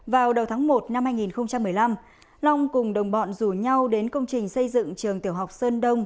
vào đầu tháng một năm hai nghìn một mươi năm long cùng đồng bọn rủ nhau đến công trình xây dựng trường tiểu học sơn đông